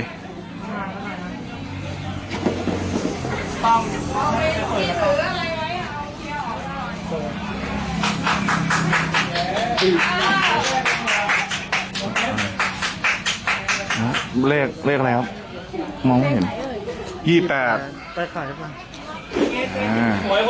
เลขเลขแล้วมองไม่เห็นยี่แปดแปดข่าวดีกว่า